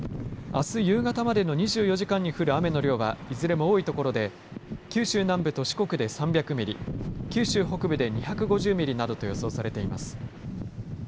あす夕方までの２４時間に降る雨の量はいずれも多い所で九州南部と四国で３００ミリ九州北部で２５０ミリなどと予想されています。